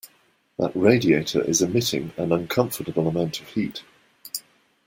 That radiator is emitting an uncomfortable amount of heat.